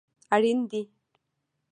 اړین دي